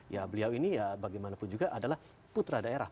ya beliau ini ya bagaimanapun juga adalah putra daerah